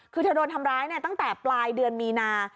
คือเธอโดนทำร้ายตั้งแต่ปลายเดือนมีนา